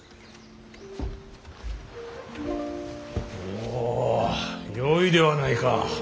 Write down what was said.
おおよいではないか。